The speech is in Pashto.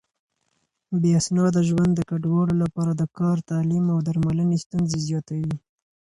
بې اسناده ژوند د کډوالو لپاره د کار، تعليم او درملنې ستونزې زياتوي.